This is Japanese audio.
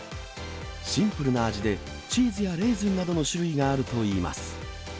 シンプルな味で、チーズやレーズンなどの種類があるといいます。